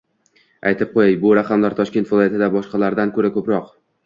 Aytib qo‘yay, bu raqamlar Toshkent viloyatida boshqalardan ko‘ra ko‘proq